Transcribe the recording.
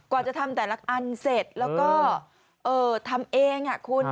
กว่าจะทำแต่ละอันเสร็จแล้วก็ทำเองคุณ